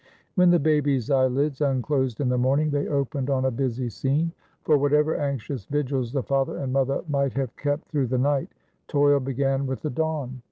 When the babies' eyelids unclosed in the morning they opened on a busy scene, for whatever anxious vigils the father and mother might have kept through the night, toil began with the dawn.